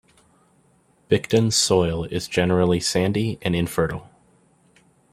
Bicton's soil is generally sandy and infertile.